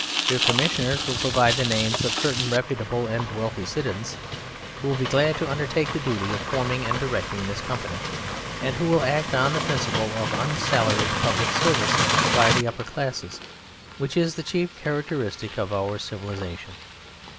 Your Commissioners will provide the names of certain reputable and wealthy citizens who will be glad to undertake the duty of forming and directing this company, and who will act on the principle of unsalaried public service by the upper classes, which is the chief characteristic of our civilization.